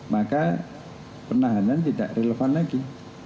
maka penahanan tidak relevan lagi